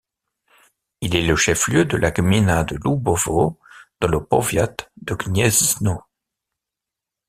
Il est le chef-lieu de la gmina de Łubowo, dans le powiat de Gniezno.